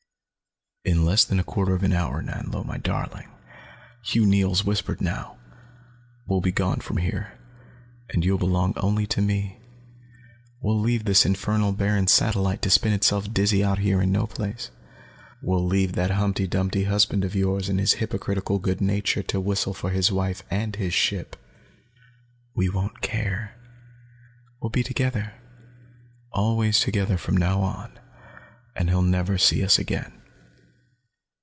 "In less than a quarter of an hour, Nanlo my darling," Hugh Neils whispered now, "we'll be gone from here, and you'll belong only to me. We'll leave this infernal barren satellite to spin itself dizzy out here in no place. We'll leave that humpty dumpty husband of yours and his hypocritical good nature to whistle for his wife and his ship. We won't care. We'll be together, always together from now on, and he'll never see us again."